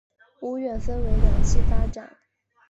屋苑分为两期发展。